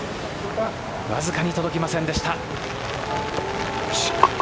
わずかに届きませんでした。